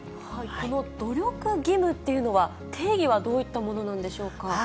この努力義務というのは、定義はどういったものなんでしょうか。